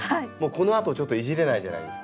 このあとちょっといじれないじゃないですか。